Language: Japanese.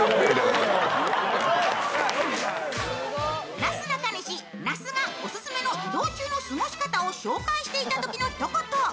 なすなかにし、那須が移動中の過ごし方を紹介していたときのひと言。